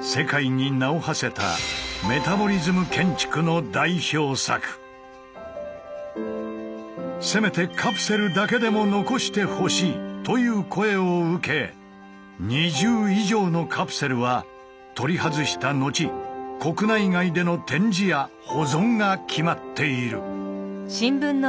世界に名をはせた「せめてカプセルだけでも残してほしい」という声を受け２０以上のカプセルは取り外した後国内外での展示や保存が決まっている。